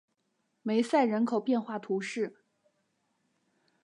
梅塞人口变化图示